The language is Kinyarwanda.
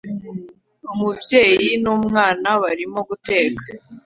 Umubyeyi n'umwana barimo guteka